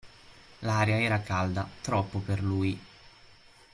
L'aria era calda, troppo per lui.